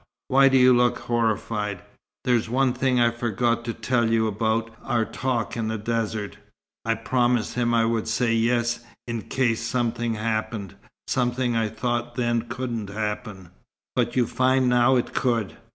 Why do you look horrified?" "There's one thing I forgot to tell you about our talk in the desert. I promised him I would say 'yes' in case something happened something I thought then couldn't happen." "But you find now it could?"